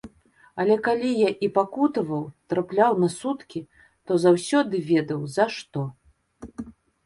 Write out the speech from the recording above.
Але калі я і пакутаваў, трапляў на суткі, то заўсёды ведаў за што.